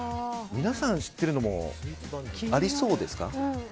皆さんが知っているのもありそうですか？